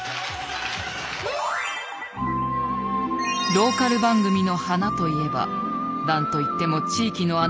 ローカル番組の華といえばなんといっても地域のアナウンサー。